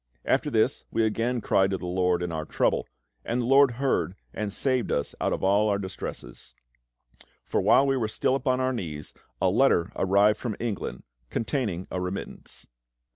After this we again cried to the LORD in our trouble, and the LORD heard and saved us out of all our distresses. For while we were still upon our knees a letter arrived from England containing a remittance.